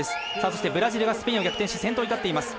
そしてブラジルがスペインを逆転し、先頭に立っています。